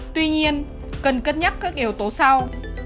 tuy nhiên cần cân nhắc các yếu tố sau